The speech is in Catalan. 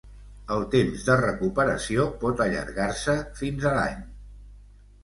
El temps de recuperació pot allargar-se fins a l'any.